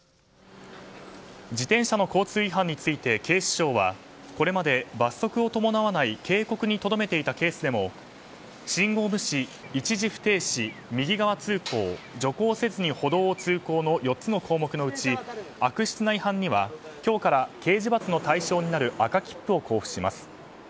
自転車の交通違反について警視庁はこれまで罰則を伴わない警告にとどめていたケースでも信号無視、一時不停止、右側通行徐行せずに歩道を通行の４つの項目のうち悪質な違反には今日から刑事罰の対象になる赤切符を交付します。